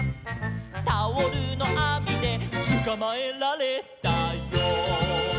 「タオルのあみでつかまえられたよ」